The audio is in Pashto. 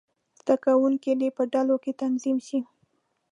زده کوونکي دې په ډلو کې تنظیم شي.